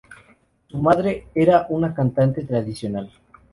Su madre era una cantante tradicional.